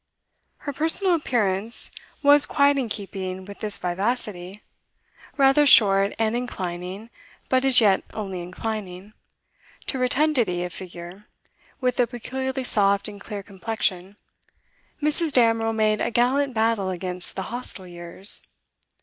Her personal appearance was quite in keeping with this vivacity. Rather short, and inclining but as yet only inclining to rotundity of figure, with a peculiarly soft and clear complexion, Mrs. Damerel made a gallant battle against the hostile years.